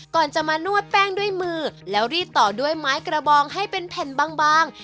ก่อนจะมานวดแป้งด้วยมือแล้วรีดต่อด้วยไม้กระบองให้เป็นแผ่นบาง